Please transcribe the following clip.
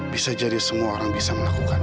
bisa jadi semua orang bisa melakukan